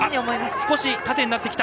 少し縦になってきた。